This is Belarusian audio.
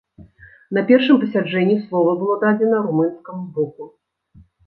На першым пасяджэнні слова было дадзена румынскаму боку.